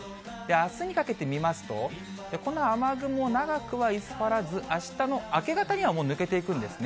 あすにかけて見ますと、この雨雲、長くは居座らず、あしたの明け方にはもう抜けていくんですね。